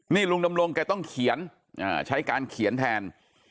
นี่ลุงดำรงแกต้องเขียนใช้การเขียนแทน